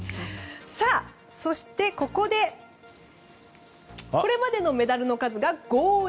そしてここでこれまでのメダルの数が５と１。